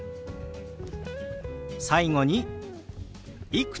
最後に「いくつ？」。